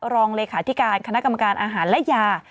รองเลขาธิการคณะกรรมการอาหารและยา